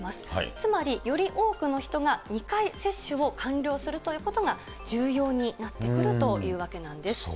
つまりより多くの人が２回接種を完了するということが、重要になってくるというわけなんです。